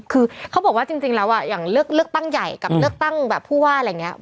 คือเขาบอกว่าจริงแล้วอย่างเลือกตั้งใหญ่กับเลือกตั้งแบบผู้ว่าอะไรอย่างนี้